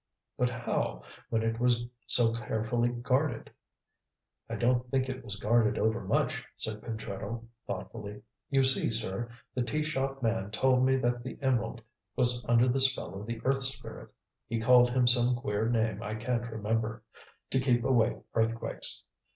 "But how, when it was so carefully guarded?" "I don't think it was guarded over much," said Pentreddle thoughtfully. "You see, sir, the tea shop man told me that the emerald was under the spell of the Earth Spirit he called him some queer name I can't remember to keep away earthquakes.